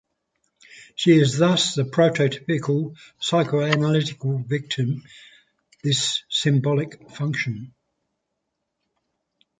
She is thus the prototypical psychoanalytic victim...this symbolic function'.